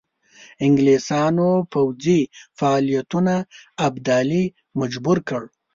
انګلیسیانو پوځي فعالیتونو ابدالي مجبور کړ.